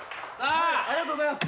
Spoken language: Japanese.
ありがとうございます。